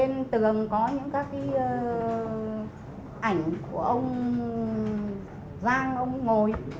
nên tường có những các cái ảnh của ông giang ông ngồi